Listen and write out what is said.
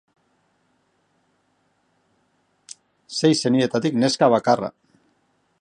Sei senidetatik neska bakarra.